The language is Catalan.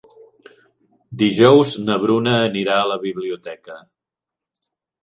Dijous na Bruna anirà a la biblioteca.